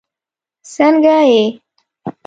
سنګه یی